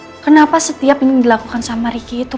riki kenapa setiap ingin dilakukan sama riki itu